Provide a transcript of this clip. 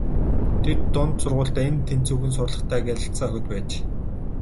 Тэд дунд сургуульдаа эн тэнцүүхэн сурлагатай гялалзсан охид байж.